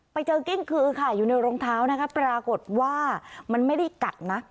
ไปเจอกิ้งคือค่ะอยู่ในรองเท้านะคะปรากฏว่ามันไม่ได้กัดนะ